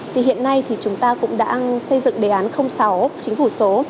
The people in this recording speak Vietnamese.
thì hiện nay thì chúng ta cũng đã xây dựng đề án sáu chính phủ số